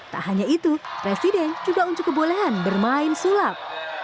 tak hanya itu presiden juga unjuk kebolehan bermain sulap